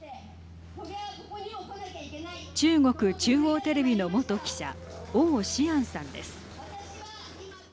中国中央テレビの元記者王志安さんです。